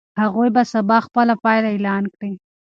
هغوی به سبا خپله پایله اعلان کړي.